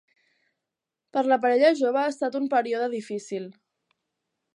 Per a la parella jove ha estat un període difícil.